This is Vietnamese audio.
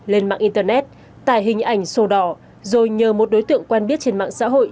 lên mạng internet tải hình ảnh sổ đỏ rồi nhờ một đối tượng quen biết trên mạng xã hội